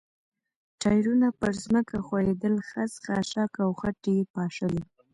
ټایرونه پر ځمکه ښویېدل، خس، خاشاک او خټې یې پاشلې.